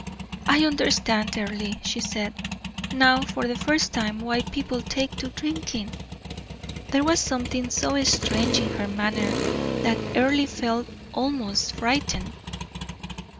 "I understand, Earle," she said, "now, for the first time, why people take to drinking." There was something so strange in her manner that Earle felt almost frightened.